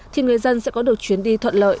thì người dân sẽ có được chuyến đi thuận lợi